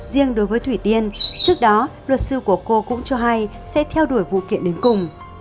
riêng đối với thủy tiên trước đó luật sư của cô cũng cho hay sẽ theo đuổi vụ kiện đến cùng